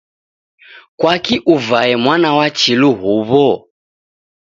Kwaki uvae mwana wa chilu huwo?